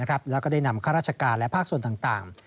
แล้วก็ได้นำข้าราชการและภาคส่วนต่าง